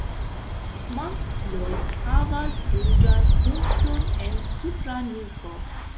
Maskloj havas ruĝan punkton en supra nuko.